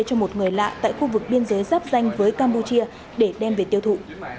lợi lạ tại khu vực biên giới giáp danh với campuchia để đem về tiêu thụ